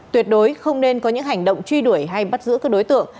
tuyệt đối không nên có những hành động truy đuổi hay bắt giữ các đối tượng